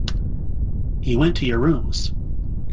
He went to your rooms.